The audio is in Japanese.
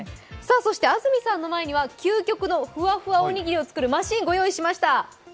そして安住さんの前には究極のふわふわなおにぎりを作るマシンを用意しました。